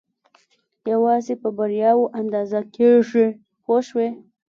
یوازې په بریاوو اندازه کېږي پوه شوې!.